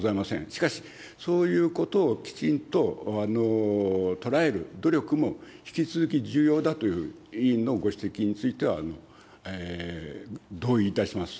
しかし、そういうことをきちんと捉える努力も、引き続き重要だという委員のご指摘については、同意いたします。